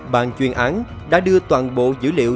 ban chuyên án đã đưa toàn bộ dữ liệu